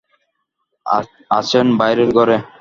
আছেন বাইরের ঘরে।